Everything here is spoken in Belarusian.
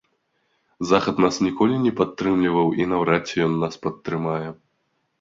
Захад нас ніколі не падтрымліваў, і наўрад ці ён нас падтрымае.